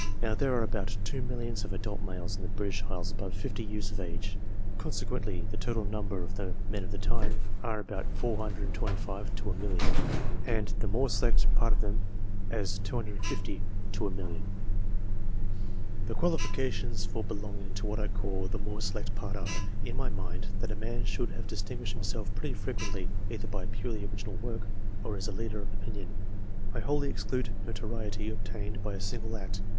Now, there are about two millions of adult males in the British isles above fifty years of age ; consequently, the total number of the " Men of the Time " are as 425 to a million, and the more select part of them as 250 to a million. The qualifications for belonging to what I call the more select part are, in my mind, that a man should have dis tinguished himself pretty frequently either by purely original work, or as a leader of opinion. I wholly exclude notoriety obtained by a single act.